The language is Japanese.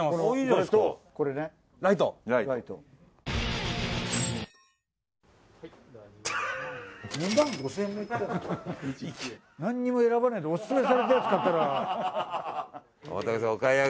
なんにも選ばないでオススメされたやつ買ったら。